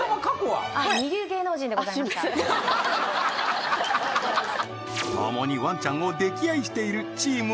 ははははっともにワンちゃんを溺愛しているチーム